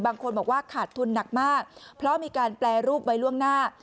บางคนบอกว่าขาดทุนหนักมากเพราะมีการแปรรูปไว้ล่วงหน้า